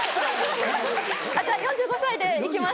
じゃあ４５歳でいきます